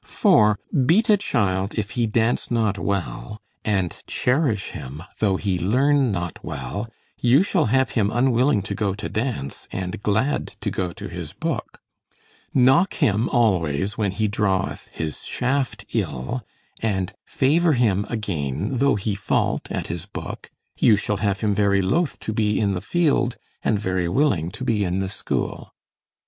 For, beat a child if he dance not well, and cherish him though he learn not well, you shall have him unwilling to go to dance, and glad to go to his book; knock him always when he draweth his shaft ill, and favor him again though he fault at his book, you shall have him very loth to be in the field, and very willing to be in the school.